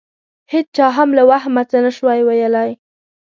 هېچا هم له وهمه څه نه شوای ویلای.